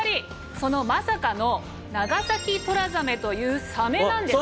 そのまさかのナガサキトラザメというサメなんです。